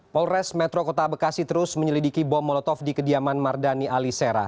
polres metro kota bekasi terus menyelidiki bom molotov di kediaman mardani alisera